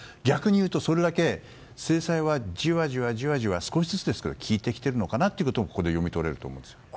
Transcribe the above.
逆に言うとそれだけ制裁はじわじわ少しずつですけど効いてきてるのかなとここで読み取れると思います。